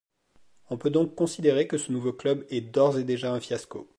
On peut donc considérer que ce nouveau club est d'ores et déjà un fiasco.